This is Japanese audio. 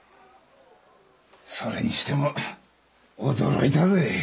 それにしても驚いたぜ。